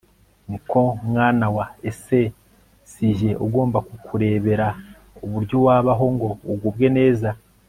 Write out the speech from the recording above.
ni ko mwana wa, ese si jye ugomba kukurebera uburyo wabaho ngo ugubwe neza